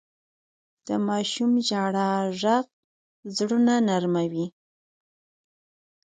د ماشوم ژړا ږغ زړونه نرموي.